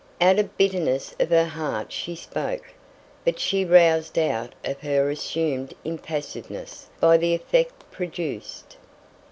Out of the bitterness of her heart she spoke, but she was roused out of her assumed impassiveness by the effect produced.